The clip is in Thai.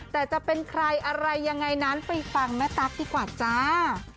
แต่จะเป็นใครอะไรยังไงนั้นไปฟังแม่ตั๊กดีกว่าจ้า